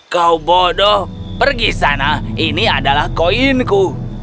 kau bodoh pergi sana ini adalah koinku